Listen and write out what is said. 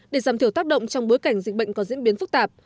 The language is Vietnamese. để giảm thiểu tác động trong bối cảnh dịch bệnh có diễn biến phức tạp